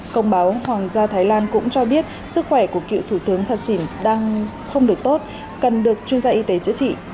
công báo hoàng gia thái lan cũng cho biết sức khỏe của cựu thủ tướng thạch sìn đang không được tốt cần được chuyên gia y tế chữa trị